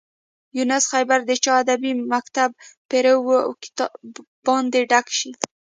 یونس خیبري د چا ادبي مکتب پيرو و باید ډک شي.